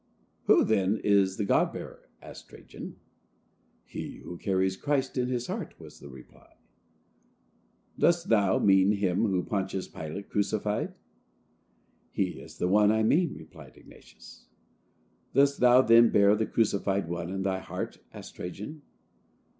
"Who, then, is 'the God bearer'?" asked Trajan. "He who carries Christ in his heart," was the reply. "Dost thou mean him whom Pontius Pilate crucified?" "He is the one I mean," replied Ignatius. "Dost thou then bear the crucified one in thy heart?" asked Trajan.